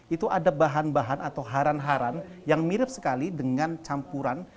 itu ada bahan bahan atau haran haran yang mirip sekali dengan campuran